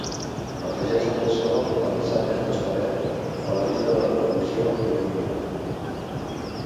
Afegeix la cançó d'alexander kostarev a la llista de reproducció il·lumina't.